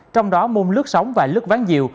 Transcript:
trong đó môn lướt sống và lướt ván diều